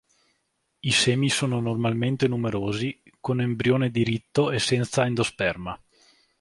I semi sono normalmente numerosi, con embrione diritto e senza endosperma.